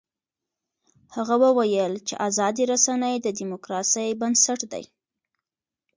هغه وویل چې ازادې رسنۍ د ډیموکراسۍ بنسټ دی.